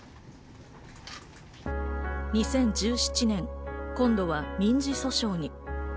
２０１７年、今度は民事訴訟に。